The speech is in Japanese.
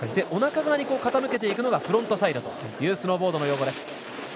おなか側に傾けていくのがフロントサイドというスノーボードの用語です。